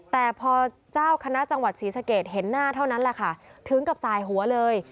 แต่พอเจ้าคณะจังหวัดศรีสะเกดเห็นหน้าเท่านั้นแหละค่ะถึงกับสายหัวเลย